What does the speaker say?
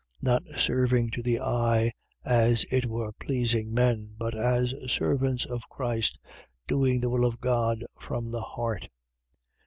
6:6. Not serving to the eye, as it were pleasing men: but, as the servants of Christ, doing the will of God from the heart.